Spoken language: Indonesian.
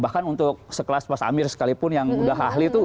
bahkan untuk sekelas mas amir sekalipun yang udah ahli itu